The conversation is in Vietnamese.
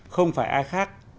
không phải ai khác